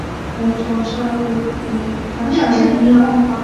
人种上与文化上已伊朗化。